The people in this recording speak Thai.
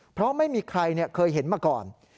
เพราะไม่มีใครเคยเห็นมาก่อน